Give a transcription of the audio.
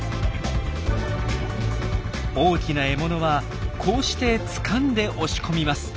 大きな獲物はこうしてつかんで押し込みます。